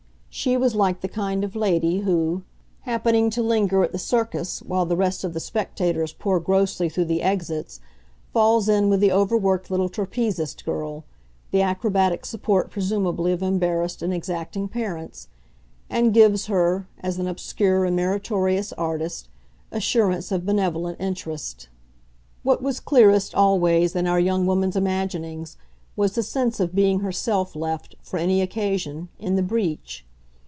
She was like the kind lady who, happening to linger at the circus while the rest of the spectators pour grossly through the exits, falls in with the overworked little trapezist girl the acrobatic support presumably of embarrassed and exacting parents and gives her, as an obscure and meritorious artist, assurance of benevolent interest. What was clearest, always, in our young woman's imaginings, was the sense of being herself left, for any occasion, in the breach.